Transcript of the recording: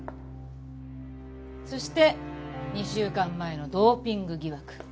そして２週間前のドーピング疑惑。